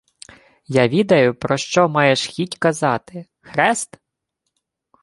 — Я відаю, про що маєш хіть казати: хрест?